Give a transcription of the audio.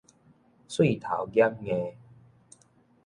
喙頭儼硬